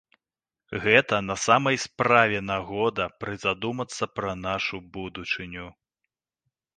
Гэта на самай справе нагода прызадумацца пра нашу будучыню.